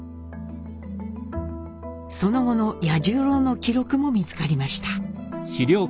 その後の八十郎の記録も見つかりました。